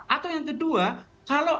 atau yang kedua kalau